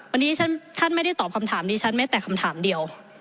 วันนี้ท่านไม่ได้ตอบคำถามดิฉันแม้แต่คำถามเดียว